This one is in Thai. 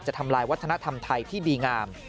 ทำลายวัฒนธรรมไทยที่ดีงาม